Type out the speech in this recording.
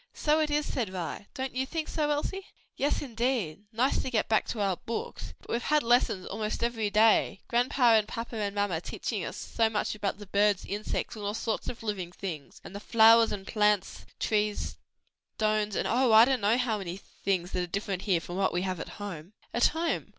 "So it is!" said Vi, "don't you think so, Elsie?" "Yes, indeed! nice to get back to our books, but we've had lessons almost every day, grandpa and papa and mamma teaching us so much about the birds, insects, and all sorts of living things, and the flowers and plants, trees, stones and oh, I don't know how many things that are different here from what we have at home." "At home!